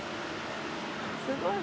すごい。